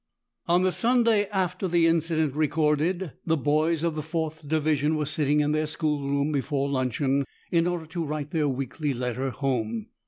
On the Sunday after the incident recorded, the boys of the fourth division were sitting in their schoolroom before luncheon, in order to write their weekly letter home.